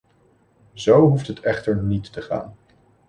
Zo hoeft het echter niet te gaan.